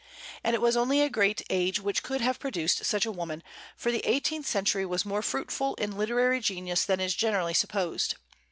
And it was only a great age which could have produced such a woman, for the eighteenth century was more fruitful in literary genius than is generally supposed.